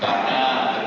harapan tidak terlalu baik